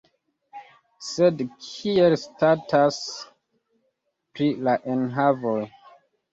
Sed kiel statas pri la enhavoj?